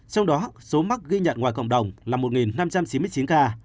trong đó số mắc ghi nhận ngoài cộng đồng là một năm trăm chín mươi chín ca